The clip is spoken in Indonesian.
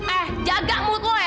eh jaga mulut lo ya